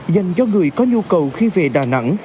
dành cho người có nhu cầu khi về đà nẵng